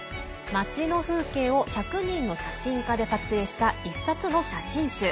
街の風景を１００人の写真家で撮影した１冊の写真集。